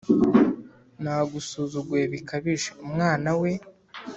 nagusuzuguye bikabije umwana we